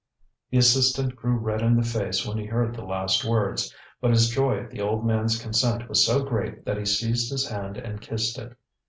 ŌĆØ The assistant grew red in the face when he heard the last words, but his joy at the old manŌĆÖs consent was so great that he seized his hand and kissed it.